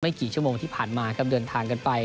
กี่ชั่วโมงที่ผ่านมาครับเดินทางกันไป